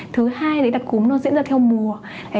thứ hai là cúm diễn ra theo mùa